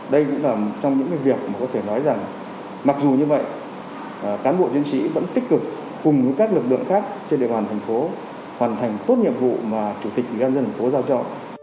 đây cũng là một trong những việc mà có thể nói rằng mặc dù như vậy cán bộ chiến sĩ vẫn tích cực cùng với các lực lượng khác trên địa bàn thành phố hoàn thành tốt nhiệm vụ mà chủ tịch ủy ban dân thành phố giao cho